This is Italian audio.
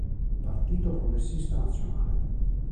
Partito Progressista Nazionale